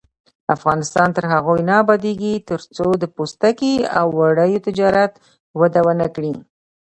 افغانستان تر هغو نه ابادیږي، ترڅو د پوستکي او وړیو تجارت وده ونه کړي.